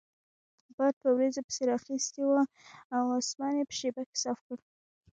باد په وریځو پسې رااخیستی وو او اسمان یې په شیبه کې صاف کړ.